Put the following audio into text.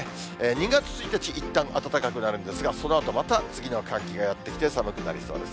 ２月１日、いったん暖かくなるんですが、そのあと、また次の寒気がやって来て、寒くなりそうです。